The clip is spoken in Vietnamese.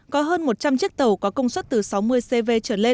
có hơn một trăm linh chiếc tàu có công suất từ sáu mươi cv